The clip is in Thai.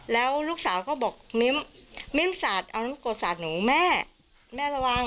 แล้วลูกสาวก็บอกมิ้มมิ้นสาดเอาน้ำกรดสาดหนูแม่แม่ระวัง